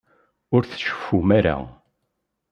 Ur tceffum ara.